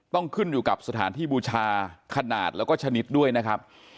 ต้องขึ้นอยู่กับสถานที่บูชาขนาดแล้วก็ชนิดด้วยนะครับ